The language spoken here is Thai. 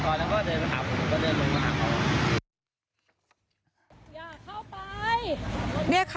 กดขันคนขับรถตู้สาธารณะนะคะ